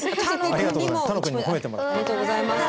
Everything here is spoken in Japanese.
ありがとうございます。